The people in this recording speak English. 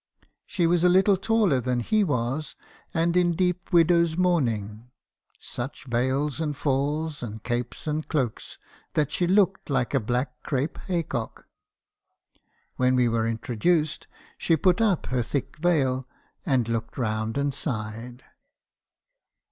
She was a little taller than he was, and in deep widow's mourning; such veils and falls, and capes and cloaks , that she looked like a black crape haycock. When we were introduced, she put up her thick* veil, and looked around, and sighed.